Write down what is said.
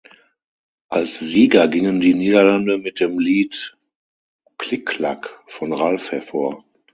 Als Sieger gingen die Niederlande mit dem Lied "Click clack" von Ralf hervor.